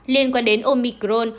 liên quan đến omicron